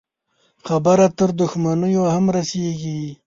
خبره تر دښمنيو هم رسېږي.